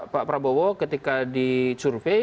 pak prabowo ketika dicurve